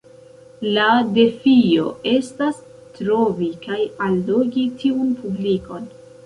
La defio estas trovi kaj allogi tiun publikon.